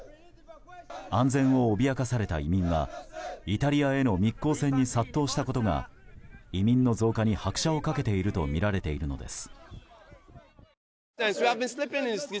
安全を脅かされた移民はイタリアへの密航船に殺到したことが移民の増加に拍車を掛けているとみられているのです。